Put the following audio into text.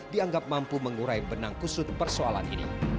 dianggap mampu mengurai benang kusut persoalan ini